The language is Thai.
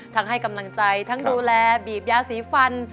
ให้กำลังใจทั้งดูแลบีบยาสีฟัน